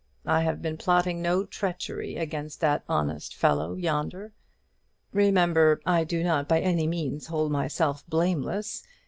I have been plotting no treachery against that honest fellow yonder. Remember, I do not by any means hold myself blameless.